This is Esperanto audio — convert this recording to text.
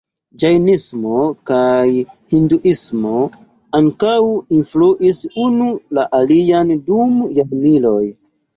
Ĝajnismo kaj Hinduismo ankaŭ influis unu la alian dum jarmiloj.